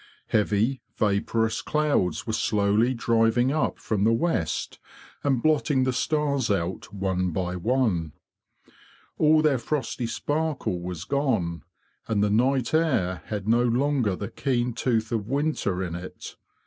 Heavy vaporous clouds were slowly driving up from the west and blotting the stars out one by one. All their frosty sparkle was gone, and the night air had no longer the keen tooth of winter in it.